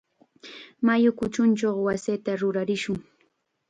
Mayu kuchunchaw wasita rurarishun.